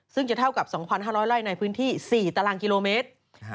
ซึ่งจะเท่ากับ๒๕๐๐ไร่ในพื้นที่๔ตารางกิโลเมตร